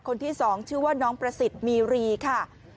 คนที่๒ชื่อว่าน้องประสิทธิ์มีรีค่ะ